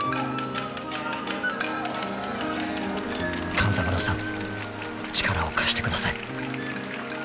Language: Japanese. ［勘三郎さん力を貸してください］